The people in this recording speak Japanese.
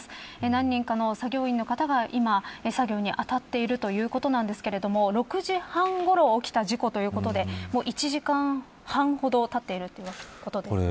何人かの作業員の方が今、作業にあたっているということなんですが６時半ごろ起きた事故ということでもう１時間半ほどたっているということです。